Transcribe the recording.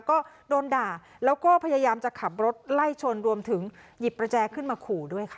ก็โดนด่าแล้วก็พยายามจะขับรถไล่ชนรวมถึงหยิบประแจขึ้นมาขู่ด้วยค่ะ